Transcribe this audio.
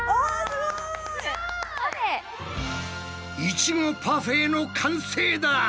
イチゴパフェの完成だ！